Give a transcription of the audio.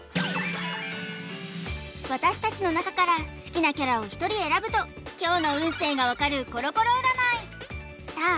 私たちのなかから好きなキャラをひとり選ぶと今日の運勢がわかるコロコロ占いさあ